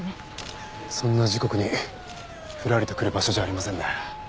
そんな時刻にふらりと来る場所じゃありませんね。